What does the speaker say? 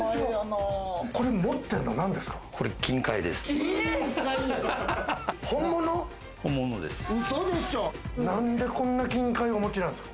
これ持ってるのなんですか？